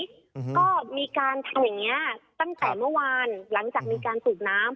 อืมก็มีการทำอย่างเงี้ยตั้งแต่เมื่อวานหลังจากมีการสูบน้ำ